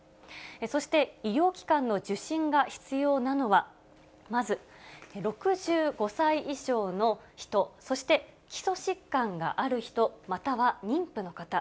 そして、医療機関の受診が必要なのは、まず６５歳以上の人、そして基礎疾患がある人、または妊婦の方。